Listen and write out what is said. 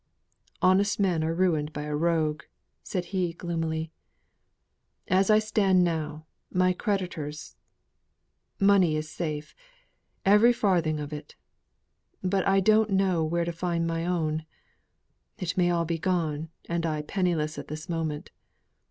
"Honest men are ruined by a rogue," said he gloomily. "As I stand now, my creditors' money is safe every farthing of it; but I don't know where to find my own it may be all gone, and I penniless at this moment.